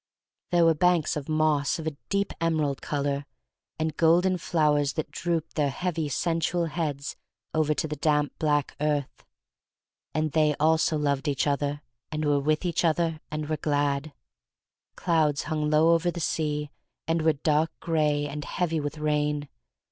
There were banks of moss of a deep emerald color, and golden flowers that drooped their heavy sensual heads over to the damp black earth. And they also loved each other, and were with each other, and were glad. Clouds hung low over the sea and were dark gray and heavy with rain.